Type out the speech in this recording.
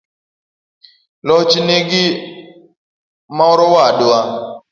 loch nigi morowadwa